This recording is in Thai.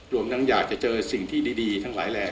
รวมทั้งอยากจะเจอสิ่งที่ดีทั้งหลายแหล่ง